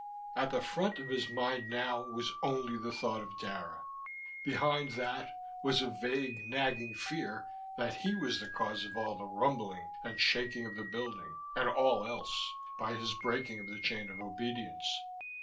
At the front of his mind now was only the thought of Dara. Behind that was a vague, nagging fear that he was the cause of all the rumbling and shaking of the building, and all else, by his breaking of the chain of obedience.